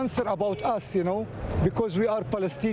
เพราะเราเป็นนักพลัสติน